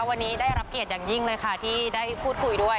วันนี้ได้รับเกียรติอย่างยิ่งเลยค่ะที่ได้พูดคุยด้วย